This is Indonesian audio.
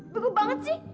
bego banget sih